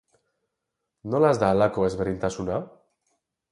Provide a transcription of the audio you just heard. Nolaz da halako ezberdintasuna?